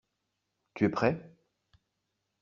Tu es prêt ?